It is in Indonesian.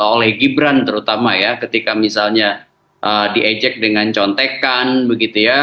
oleh gibran terutama ya ketika misalnya diejek dengan contekan begitu ya